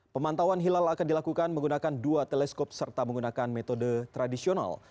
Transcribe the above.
pemantauan hilal akan dilakukan menggunakan dua teleskop serta menggunakan metode tradisional